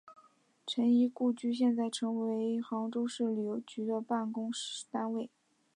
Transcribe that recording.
陈仪故居现在成为杭州市旅游局的办公单位。